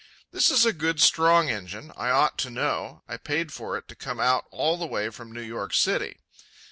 This is a good, strong engine. I ought to know. I paid for it to come out all the way from New York City.